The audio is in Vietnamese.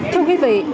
thưa quý vị